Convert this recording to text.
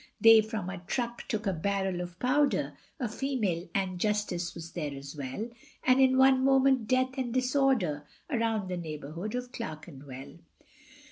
They from a truck took a barrel of powder, A female, Ann Justice was there as well, And in one moment death and disorder Around the neighbourhood of Clerkenwell.